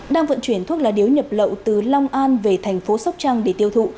đang vận chuyển thuốc lá điếu nhập lậu từ long an về thành phố sóc trăng để tiêu thụ